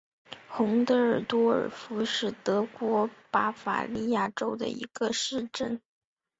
洪德尔多尔夫是德国巴伐利亚州的一个市镇。